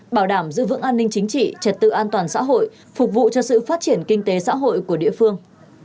bảo đảm giữ vững an ninh chính trị trật tự an toàn xã hội phục vụ cho sự phát triển kinh tế xã hội của địa phương